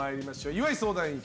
岩井相談員。